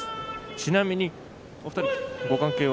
ちなみにお二人、ご関係は？